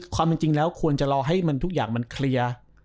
ความจริงแล้วควรจะรอให้มันทุกอย่างมันเคลียร์